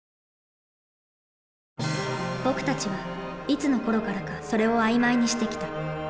僕たちはいつのころからか「それ」を曖昧にしてきた。